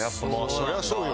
そりゃそうよ。